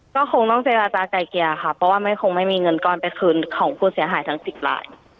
ก็คงต้องเจรจากลายเกลี่ยค่ะเพราะว่าไม่คงไม่มีเงินก้อนไปคืนของผู้เสียหายทั้ง๑๐ลาย